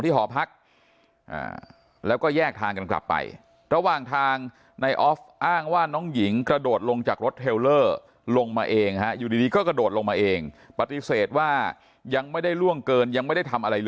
ที่หอพักแล้วก็แยกทางกันกลับไประหว่างทางในฮอฟอ้างว่า